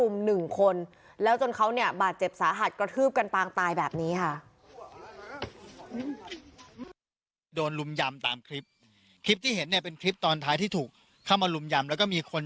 มันกลายเป็น๑๐กว่าแล้วก็รุม๑คน